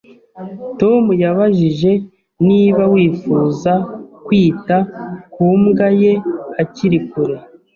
Tom yabajije niba wifuza kwita ku mbwa ye akiri kure